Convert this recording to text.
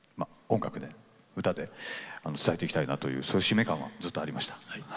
音楽で歌で伝えていきたいなというそういう使命感はずっとありました。